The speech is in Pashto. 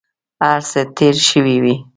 هر څه تېر شوي وي.